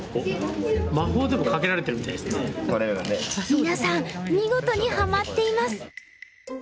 皆さん見事にハマっています。